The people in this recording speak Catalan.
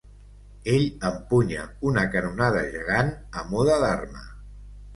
Ell empunya una canonada gegant a mode d"arma.